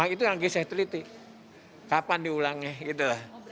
itu yang kesateliti kapan diulangnya gitu